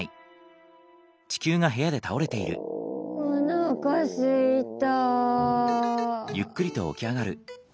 おなかすいた！